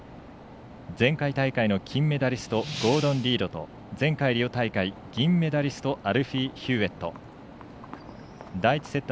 前回大会の金メダリストゴードン・リードと前回リオ大会銀メダリストアルフィー・ヒューウェット。